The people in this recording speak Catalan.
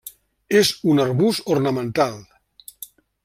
És un arbust ornamental.